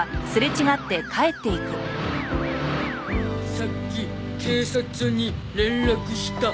さっき警察に連絡した。